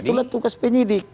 itulah tukas penyidik